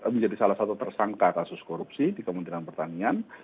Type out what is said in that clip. menjadi salah satu tersangka kasus korupsi di kementerian pertanian